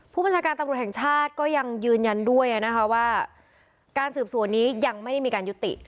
ผู้บัญชาการตำรวจแห่งชาติก็ยังยืนยันด้วยนะคะว่าการสืบสวนนี้ยังไม่ได้มีการยุติ